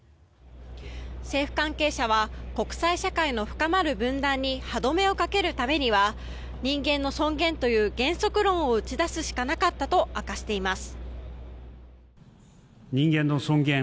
政府関係者は国際社会の深まる分断に歯止めをかけるためには人間の尊厳という原則論を打ち出すしかなかったと明かしています。